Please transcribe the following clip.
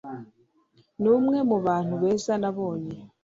numwe mubantu beza nabonye.